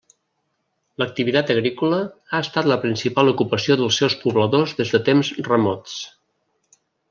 L'activitat agrícola ha estat la principal ocupació dels seus pobladors des de temps remots.